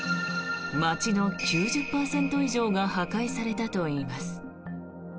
街の９０％以上が破壊されたといいます。